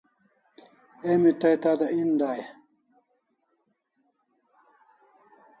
Emi tai tada en dai